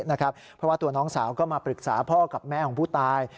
เพราะว่าตัวน้องสาวก็มาปรึกษาพ่อกับแม่ของผู้ตาย